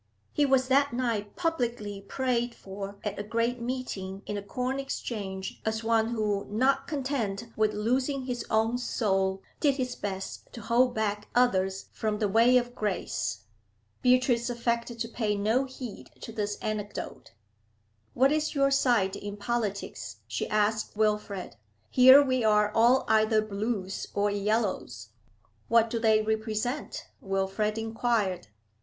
He was that night publicly prayed for at a great meeting in the Corn Exchange as one who, not content with losing his own soul, did his best to hold back others from the way of grace. Beatrice affected to pay no heed to this anecdote. 'What is your side in politics?' she asked Wilfrid. 'Here we are all either Blues or Yellows.' 'What do they represent?' Wilfrid inquired.